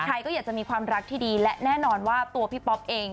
ใครก็อยากจะมีความรักที่ดีและแน่นอนว่าตัวพี่ป๊อปเอง